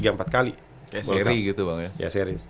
kayak seri gitu bang ya